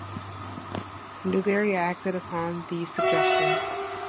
Newbery acted upon these suggestions.